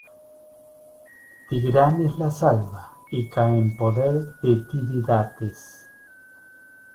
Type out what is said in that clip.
Tigranes la salva y cae en poder de Tiridates.